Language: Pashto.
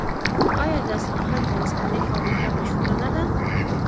آیا د اصفهان د وسپنې فابریکه مشهوره نه ده؟